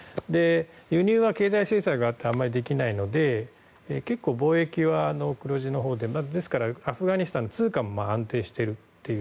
輸入は経済制裁があってあまりできないので結構、貿易は黒字でアフガニスタンの通貨も安定しているという。